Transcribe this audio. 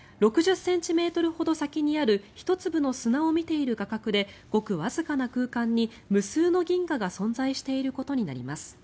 ６０ｃｍほど先にある１粒の砂を見ている画角でごくわずかな空間に無数の銀河が存在していることになります。